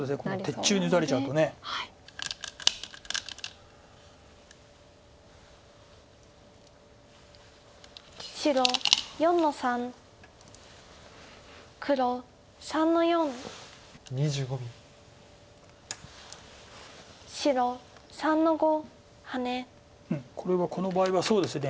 うんこれはこの場合はそうですね。